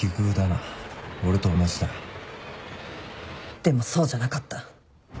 でもそうじゃなかった。